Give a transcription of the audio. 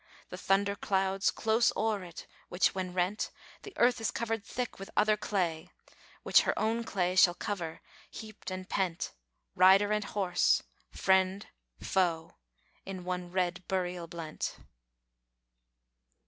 The thunder clouds close o'er it, which when rent The earth is covered thick with other clay, Which her own clay shall cover, heaped and pent, Rider and horse, friend, foe, in one red burial blent!